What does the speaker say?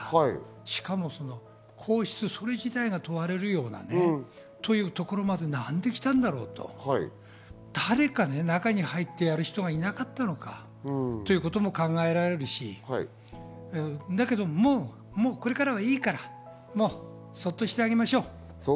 しかも、皇室、それ自体が問われるようなところまでなんできたんだろうと、誰か中に入ってやる人がいなかったのかということも考えられるし、だけど、もうこれからはいいからそっとしてあげましょう。